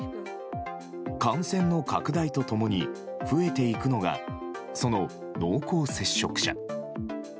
感染の拡大と共に増えていくのが、その濃厚接触者。